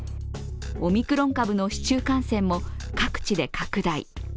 オミクロン株の市中感染も各地で拡大。